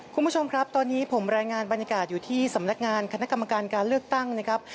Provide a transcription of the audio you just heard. คุณผู้ชมครับตอนนี้ผมรายงานบรรยากาศอยู่ที่สำนักงานคณะกรรมการการเลือกตั้งนะครับ